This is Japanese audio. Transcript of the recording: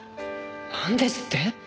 なんですって？